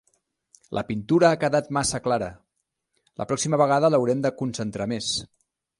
La pintura ha quedat massa clara; la pròxima vegada l'haurem de concentrar més.